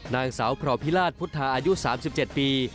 นางสาวพรพิราชพุทธาอายุ๓๗ปี